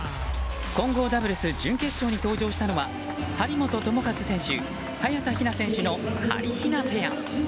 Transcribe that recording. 混合ダブルス準決勝に登場したのは張本智和選手、早田ひな選手のはりひなペア。